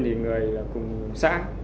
là người cùng xã